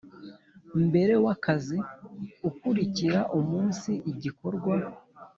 Mbere w akazi ukurikira umunsi igikorwa